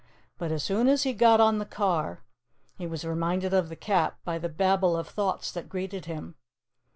But as soon as he got on the car, he was reminded of the Cap by the babel of thoughts that greeted him.